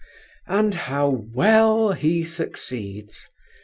And how well he succeeds!